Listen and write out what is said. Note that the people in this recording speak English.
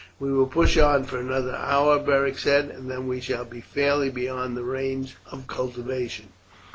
"We will push on for another hour," Beric said, "and then we shall be fairly beyond the range of cultivation.